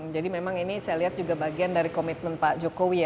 jadi memang ini saya lihat juga bagian dari komitmen pak jokowi